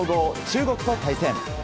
中国と対戦。